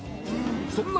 そんな